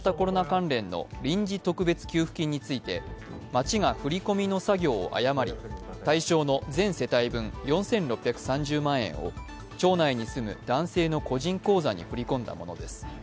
関連の臨時特別給付金について町が振り込みの作業を誤り対象の全世帯分４６３０万円を町内に住む男性の個人口座に振り込んだものです。